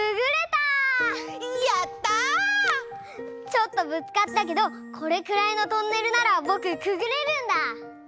ちょっとぶつかったけどこれくらいのトンネルならぼくくぐれるんだ！